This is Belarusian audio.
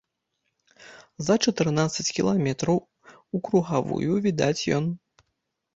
За чатырнаццаць кіламетраў укругавую відаць ён.